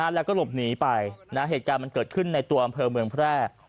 แล้วก็หลบหนีไปเหตุการณ์มันเกิดขึ้นในตัวอำเภอเมืองแพร่